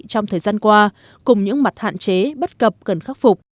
trong thời gian qua cùng những mặt hạn chế bất cập cần khắc phục